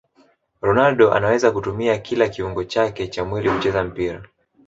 ronaldo anaweza kutumia kila kiungo chake cha mwili kucheza mpira